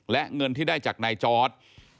และเงินที่ได้จากนายจอร์ด